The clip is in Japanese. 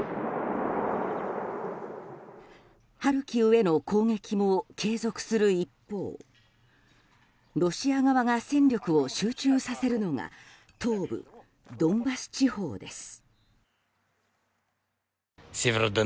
ハルキウへの攻撃も継続する一方ロシア側が戦力を集中させるのは東部ドンバス地方です。